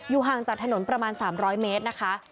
ห่างจากถนนประมาณ๓๐๐เมตรนะคะ